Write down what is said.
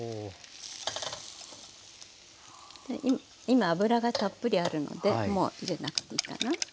今油がたっぷりあるのでもう入れなくていいかな。